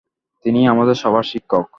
তিনি আমাদের সবার শিক্ষক।